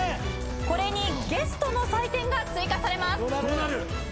これにゲストの採点が追加されます。